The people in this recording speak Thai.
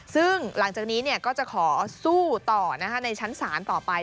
ซึ่งหลังจากนี้ก็จะขอสู้ต่อในชั้นศาลต่อไป